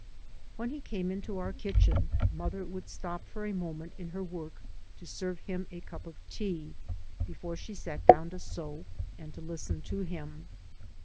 When he came into our kitchen mother would stop for a moment in her work to serve him a cup of tea before she sat down to sew, and to listen to him.